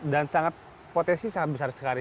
dan potensi sangat besar sekali